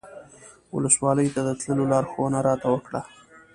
ولسوالۍ ته د تللو لارښوونه راته وکړه.